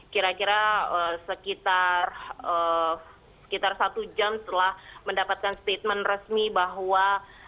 kira kira sekitar satu jam setelah mendapatkan statement resmi bahwa